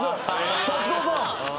滝藤さん